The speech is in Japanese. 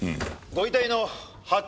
ご遺体の発見